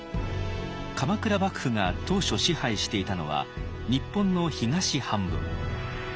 鎌倉幕府が当初支配していたのは日本の東半分。